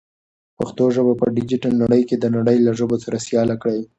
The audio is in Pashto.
پښتو ژبه په ډیجیټل نړۍ کې د نړۍ له ژبو سره سیاله کړئ.